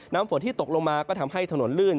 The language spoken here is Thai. ฝนที่ตกลงมาก็ทำให้ถนนลื่น